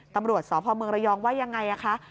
ตำรวจสพรยว่ายังไงคะ